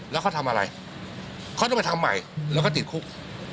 แล้วเขาทำอะไรเขาต้องไปทำใหม่แล้วก็ติดคุก